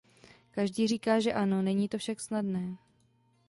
Každý říká, že ano, není to však snadné.